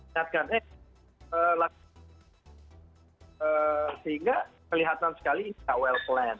sehingga kelihatan sekali ini tak well planned